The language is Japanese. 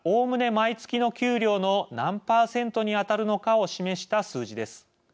毎月の給料の何％に当たるのかを示した数字です。